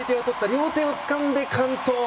両手をつかんで完登。